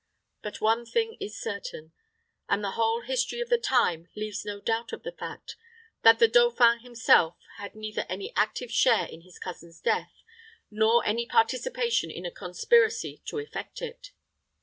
But one thing is certain, and the whole history of the time leaves no doubt of the fact, that the dauphin himself had neither any active share in his cousin's death, nor any participation in a conspiracy to effect it.